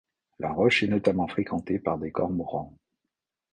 La roche est notamment fréquentée par des cormorans.